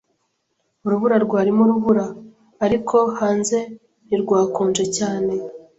Urubura rwarimo urubura, ariko hanze ntirwakonje cyane.